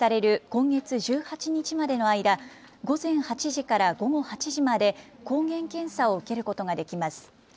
今月１８日までの間、午前８時から午後８時まで抗原検査を受けることができます。